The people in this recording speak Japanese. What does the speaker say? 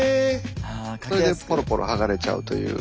それでぽろぽろ剥がれちゃうという。